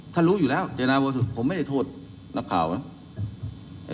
ถ้ารู้อยู่แล้วเจยนาบ่อยสุดผมไม่ได้โทษนับข่าวนะ